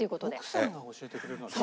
奥さんが教えてくれるなら。